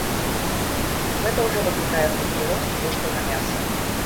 Гэта ўжо выклікае хуткі рост коштаў на мяса.